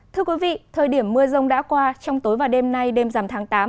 thưa quý vị thời điểm mưa rông đã qua trong tối và đêm nay đêm giảm tháng tám